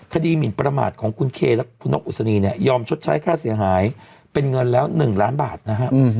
หมินประมาทของคุณเคและคุณนกอุศนีเนี่ยยอมชดใช้ค่าเสียหายเป็นเงินแล้ว๑ล้านบาทนะฮะ